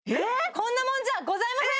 こんなもんじゃございません！